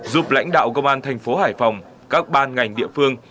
giúp lãnh đạo công an thành phố hải phòng các ban ngành địa phương